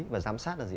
và giám sát là gì